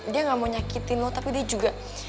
dia gak mau nyakitin lo tapi dia juga